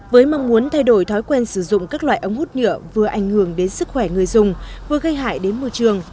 với mong muốn thay đổi thói quen sử dụng các loại ống hút nhựa vừa ảnh hưởng đến sức khỏe người dùng vừa gây hại đến môi trường